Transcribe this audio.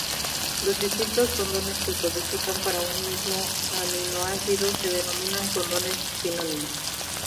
Los distintos codones que codifican para un mismo aminoácido se denominan codones sinónimos.